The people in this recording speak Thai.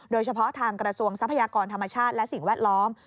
โดยเฉพาะทางกระทรวงทรัพยากรธรรมชาติและสิ่งแวดล้อม